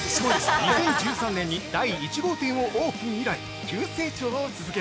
◆２０１３年に第１号店をオープン以来、急成長を続け